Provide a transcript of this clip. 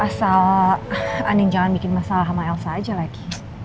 asal unin jangan bikin masalah sama elsa aja lagi